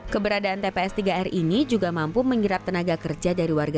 keberadaan tps tiga r ini juga mampu mengirap tenaga kerja dari warga